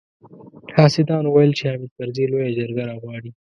حاسدانو ويل چې حامد کرزي لويه جرګه راغواړي.